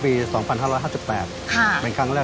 ไปดูกันค่ะว่าหน้าตาของเจ้าปาการังอ่อนนั้นจะเป็นแบบไหน